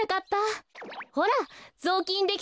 ほらぞうきんできたわよ。